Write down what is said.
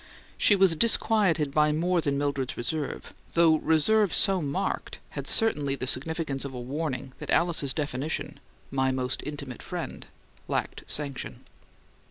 She was disquieted by more than Mildred's reserve, though reserve so marked had certainly the significance of a warning that Alice's definition, "my most intimate friend," lacked sanction.